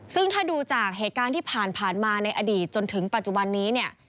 ซึ่งถ้าดูจากเหตุการณ์ที่ผ่านมาในอดีตจนถึงปัจจุบันนี้เนี่ย